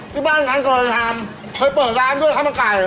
ที่บ้านฉันเคยทำเคยเปิดร้านด้วยข้ามกาย